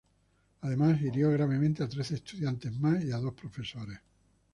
Además, hirió gravemente a trece estudiantes más y a dos profesores.